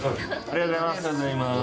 ありがとうございます。